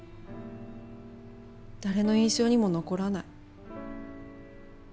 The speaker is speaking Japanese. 誰の印象にも残らない。